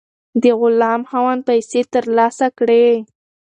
د غلام خاوند پیسې ترلاسه کړې.